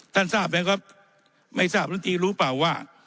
ท่านทราบเนี้ยครับไม่ทราบท่านตรีรู้เปล่าว่า